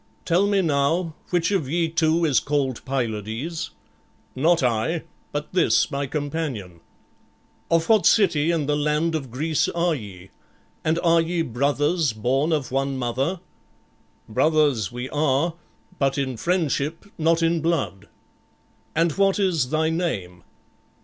"Tell me now, which of ye two is called Pylades?" "Not I, but this my companion." "Of what city in the land of Greece are ye? And are ye brothers born of one mother?" "Brothers we are, but in friendship, not in blood." "And what is thy name?"